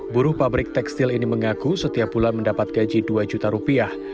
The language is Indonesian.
buruh pabrik tekstil ini mengaku setiap bulan mendapat gaji dua juta rupiah